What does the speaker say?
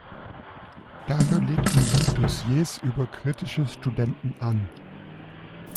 Dafür legten sie Dossiers über kritische Studenten an.